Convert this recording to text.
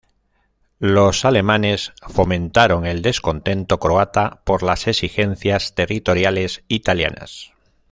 Los alemanes fomentaron el descontento croata por las exigencias territoriales italianas.